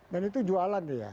dan itu jualan ya